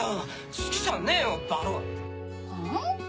好きじゃねえよバロ。